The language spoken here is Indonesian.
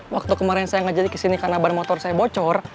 waktu kemarin saya ngejali ke sini karena ban motor saya bocor